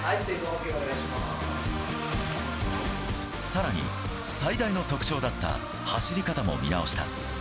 さらに、最大の特徴だった走り方も見直した。